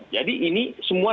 jadi ini semua